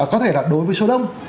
có thể là đối với số đông